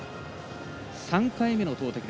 ３回目の投てき。